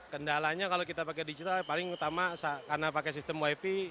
kendalanya kalau kita pakai digital paling utama karena pakai sistem wifi